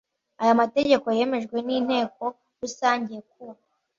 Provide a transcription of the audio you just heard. Aya mategeko yemejwe n inteko rusange ku